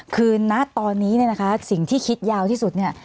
คือณตอนนี้เนี่ยนะคะสิ่งที่คิดยาวที่สุดเนี่ย